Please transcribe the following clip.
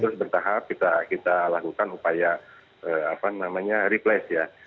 terus bertahap kita lakukan upaya replace ya